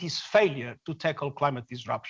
kondisi lautan di bumi meningkat